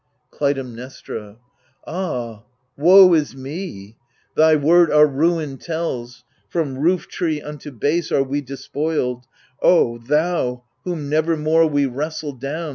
Clytemnestra Ah woe is me I thy word our ruin tells ; From roof tree unto base are we despoiled. — O thou whom nevermore we wrestle down.